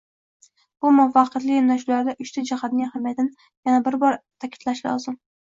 Bu muvaffaqiyatli yondashuvlarda uchta jihatning ahamiyatini yana bir bor ta'kidlash lozim: